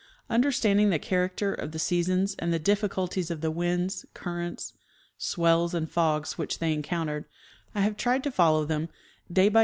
Understanding the character of the sea sons and the difficulties of the winds, currents, swell and fogs which they encountered, I have tried to follow them day by